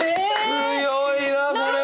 強いなこれは。